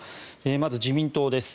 まず自民党です。